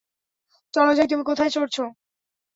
চলো যাই -তুমি কোথায় চড়ছো?